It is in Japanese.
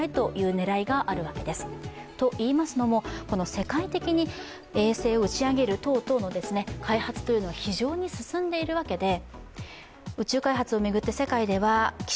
世界的に衛星を打ち上げる等々の開発というのは非常に進んでいるわけです。